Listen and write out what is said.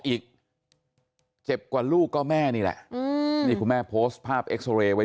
อีกเจ็บกว่าลูกก็แม่นี่แหละนี่คุณแม่โพสต์ภาพเอ็กซอเรย์ไว้